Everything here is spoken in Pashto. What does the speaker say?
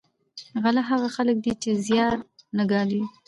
غله هغه خلک دي چې زیار نه ګالي